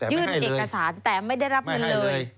ยื่นเอกสารแต่ไม่ได้รับเงินเลย